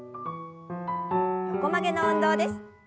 横曲げの運動です。